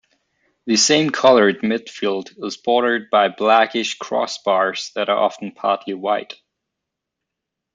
The same coloured midfield is bordered by blackish crossbars that are often partly white.